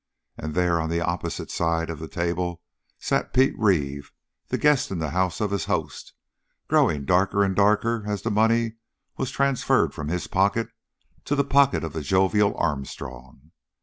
And there, on the opposite side of the table, sat Pete Reeve, the guest in the house of his host, growing darker and darker as the money was transferred from his pocket to the pocket of the jovial Armstrong.